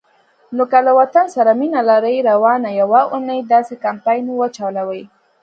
نو که له وطن سره مینه لرئ، روانه یوه اونۍ داسی کمپاین وچلوئ